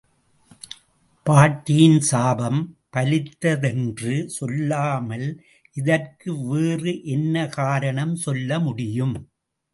பாட்டியின் சாபம் பலித்ததென்று சொல்லாமல் இதற்கு வேறு என்ன காரணம் சொல்லமுடியும்?